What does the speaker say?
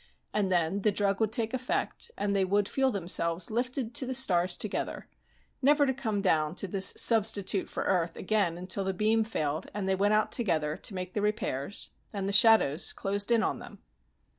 And then the drug would take effect, and they would feel themselves lifted to the stars together, never to come down to this substitute for Earth again until the beam failed, and they went out together to make the repairs, and the shadows closed in on them.